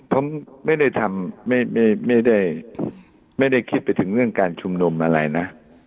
ผมไม่ได้คิดไปถึงเรื่องการชุมนมอะไรนะ